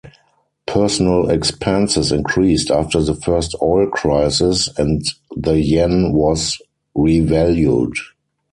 Personnel expenses increased after the first oil crisis, and the yen was revalued.